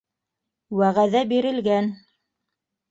Вәғәҙә бирелгән.